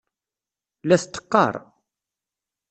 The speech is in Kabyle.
La t-teqqar.